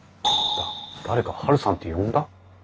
誰か「ハルさん」って呼んだ？